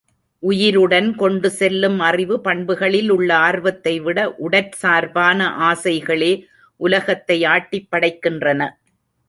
உயிருடன் கொண்டு செல்லும் அறிவு, பண்புகளில் உள்ள ஆர்வத்தைவிட உடற்சார்பான ஆசைகளே உலகத்தை ஆட்டிப்படைக்கின்றன.